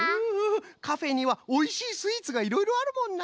カフェにはおいしいスイーツがいろいろあるもんな。